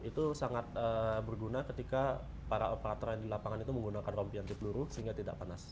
itu sangat berguna ketika para operator yang di lapangan itu menggunakan rompi anti peluru sehingga tidak panas